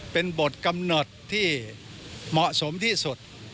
เป็นบทกำหนดที่เหมาะสมที่สุด